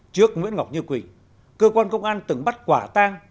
trước nguyễn ngọc như quỳnh cơ quan công an từng bắt quả tang